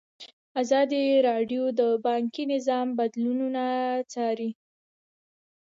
ازادي راډیو د بانکي نظام بدلونونه څارلي.